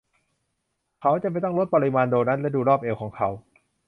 เขาจำเป็นต้องลดปริมาณโดนัทและดูรอบเอวของเขา